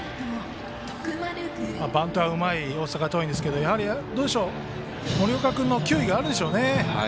バントはうまい大阪桐蔭ですけどやはり、森岡君の球威があるんでしょうね。